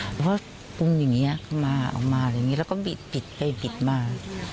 เพราะว่าปุ้งอย่างนี้มาเอามาอะไรอย่างนี้แล้วก็ปิดไปปิดมา